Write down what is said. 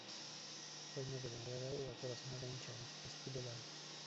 Vaina redondeada o acorazonada, hinchada; estilo largo.